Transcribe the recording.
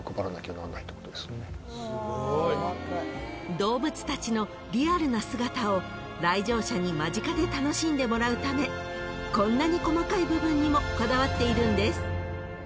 ［動物たちのリアルな姿を来場者に間近で楽しんでもらうためこんなに細かい部分にもこだわっているんです］